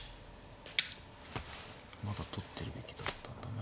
まだ取ってるべきだったんだな。